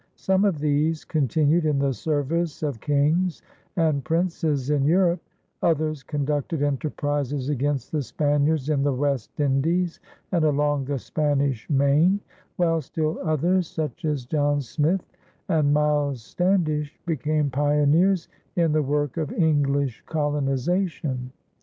Some of these continued in the service of kings and princes in Europe; others conducted enterprises against the Spaniards in the West Indies and along the Spanish Main; while still others, such as John Smith and Miles Standish, became pioneers in the work of English colonization.